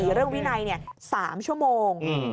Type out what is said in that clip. เรื่องวินัย๓ชั่วโมง